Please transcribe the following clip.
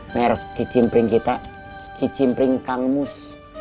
merk kicimpring kita kicimpring kang mus